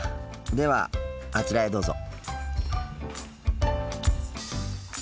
ではあちらへどうぞ。